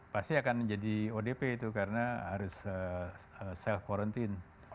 pasti akan jadi odp itu karena harus self quarantine